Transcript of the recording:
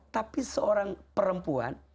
tapi seorang perempuan